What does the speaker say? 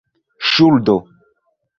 ŝuldo